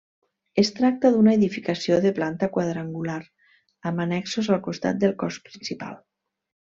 Es tracta d'una edificació de planta quadrangular amb annexos al costat del cos principal.